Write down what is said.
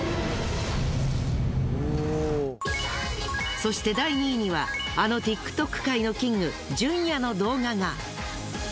そして第２位にはあのＴｉｋＴｏｋ界のキングじゅんやの動画が。